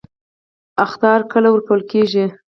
اخطار کله ورکول کیږي؟